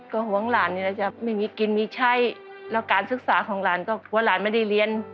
ก็ห่วงหลานนี่แหละจะไม่มีกินมีใช้แล้วการศึกษาของหลานก็กลัวหลานไม่ได้เรียน